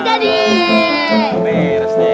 kita pilih alatnya dulu ya